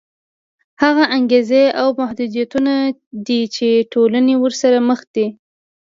هغه انګېزې او محدودیتونه دي چې ټولنې ورسره مخ دي.